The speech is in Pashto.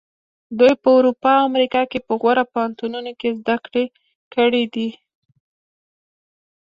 دوی په اروپا او امریکا کې په غوره پوهنتونونو کې زده کړې کړې دي.